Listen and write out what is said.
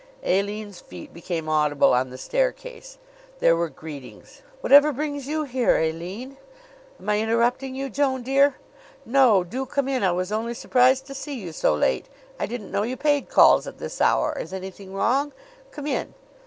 Aline's feet became audible on the staircase. There were greetings. "Whatever brings you here, Aline?" "Am I interrupting you, Joan, dear?" "No. Do come in! I was only surprised to see you so late. I didn't know you paid calls at this hour. Is anything wrong? Come in."